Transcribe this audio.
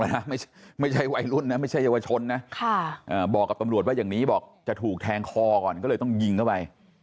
ไม่ใช่วัยรุ่นนะไม่ใช่เยาวชนนะบอกกับตำรวจว่าอย่างนี้บอกจะถูกแทงคอก่อนก็เลยต้องยิงเข้าไป